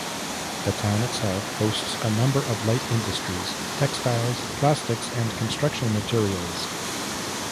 The town itself hosts a number of light industries: textiles, plastics and construction materials.